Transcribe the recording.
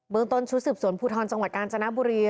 เมืองต้นชุดสืบสวนภูทรจังหวัดกาญจนบุรี